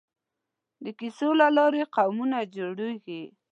د کیسو له لارې قومونه جوړېږي.